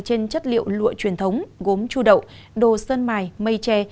trên chất liệu lụa truyền thống gốm chu đậu đồ sơn mài mây tre